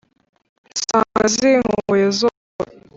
nsanga zinkumbuye zose